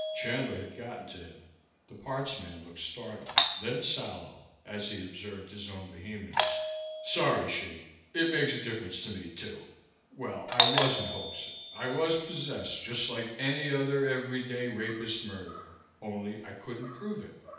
Chandler had gotten to him; the parts man looked startled, then sallow, as he observed his own vehemence. "Sorry, Hsi. It makes a difference to me, too. Well, I wasn't hoaxing. I was possessed, just like any other everyday rapist murderer, only I couldn't prove it.